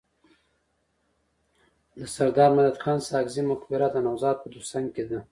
د سرداد مددخان ساکزي مقبره د نوزاد په دوسنګ کي ده.